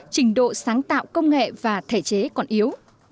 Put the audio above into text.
trình độ sáng tạo công nghệ và thể chế còn yếu